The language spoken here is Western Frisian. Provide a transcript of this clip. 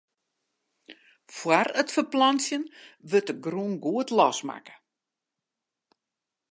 Fóár it ferplantsjen wurdt de grûn goed losmakke.